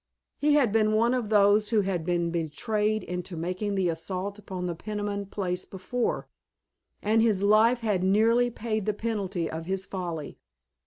He had been one of those who had been betrayed into making the assault upon the Peniman place before, and his life had nearly paid the penalty of his folly.